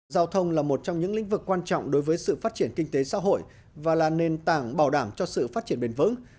giao thông là một trong những lĩnh vực quan trọng đối với sự phát triển kinh tế xã hội và là nền tảng bảo đảm cho sự phát triển bền vững